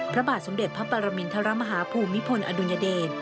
พระบาทสมเด็จพระปรมินทรมาฮาภูมิพลอดุญเดช